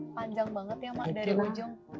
panjang banget ya mak dari ujung